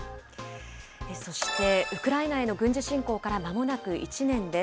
そして、ウクライナへの軍事侵攻からまもなく１年です。